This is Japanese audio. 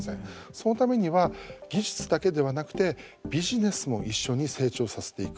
そのためには技術だけではなくてビジネスも一緒に成長させていく。